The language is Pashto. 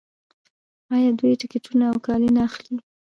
آیا دوی ټکټونه او کالي نه اخلي؟